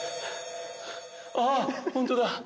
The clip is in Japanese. あホントだ。